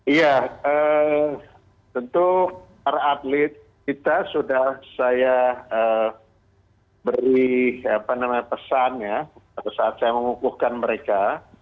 iya tentu para atlet kita sudah saya beri pesannya saat saya mengukuhkan mereka